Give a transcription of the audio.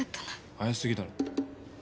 早過ぎだろ。